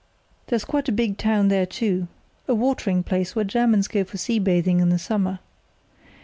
There's quite a big town there, too, a watering place, where Germans go for sea bathing in the summer.